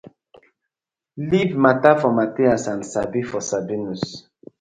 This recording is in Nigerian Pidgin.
Leave mata for Mathias and Sabi for Sabinus: